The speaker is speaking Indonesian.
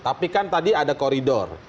tapi kan tadi ada koridor